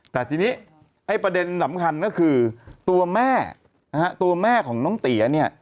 แต่ทีนี้ประเด็นสำคัญก็คือตัวแม่ของน้องเตี๋ย